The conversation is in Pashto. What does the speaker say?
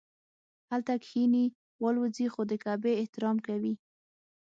هلته کښیني والوځي خو د کعبې احترام کوي.